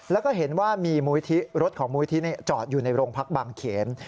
แล้วก็เห็นว่ามีรถของมุยที่นี่จอดอยู่ในโรงพักบางเขน